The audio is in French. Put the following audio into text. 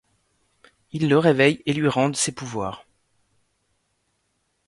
Ils le réveillent et lui rendent ses pouvoirs.